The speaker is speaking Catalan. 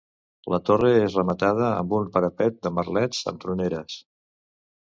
La torre és rematada amb un parapet de merlets amb troneres.